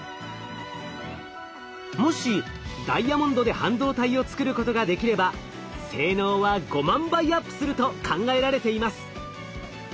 もしダイヤモンドで半導体をつくることができれば性能は５万倍アップすると考えられています。